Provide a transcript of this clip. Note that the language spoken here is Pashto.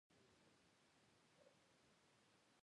ډاکټر وحید احمد حشمتی په هغه روغتون کې و